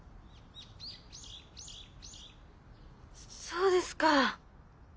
そうですか。